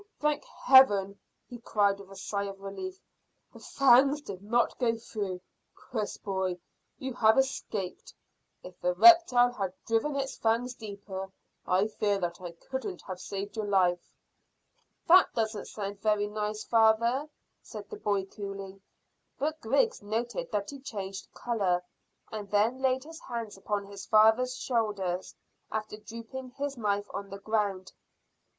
Thank Heaven!" he cried, with a sigh of relief. "The fangs did not go through. Chris, boy, you have escaped. If the reptile had driven its fangs deeper, I fear that I couldn't have saved your life." "That doesn't sound very nice, father," said the boy coolly; but Griggs noted that he changed colour, and then laid his hands upon his father's shoulders, after dropping his knife on the ground.